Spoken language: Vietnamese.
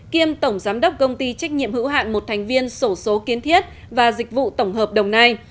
kiêm tổng giám đốc công ty trách nhiệm hữu hạn một thành viên sổ số kiến thiết và dịch vụ tổng hợp đồng nai